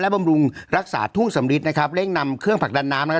บำรุงรักษาทุ่งสำริดนะครับเร่งนำเครื่องผลักดันน้ำ